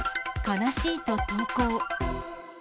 悲しいと投稿。